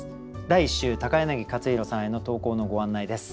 第１週柳克弘さんへの投稿のご案内です。